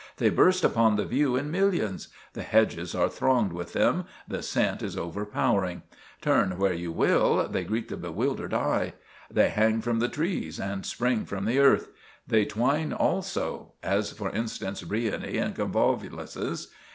They burst upon the view in millions. The hedges are thronged with them; the scent is overpowering. Turn where you will, they greet the bewildered eye. They hang from the trees and spring from the earth; they twine also—as, for instance, briony and convolvuluses.